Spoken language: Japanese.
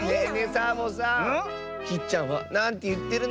サボさんきっちゃんはなんていってるの？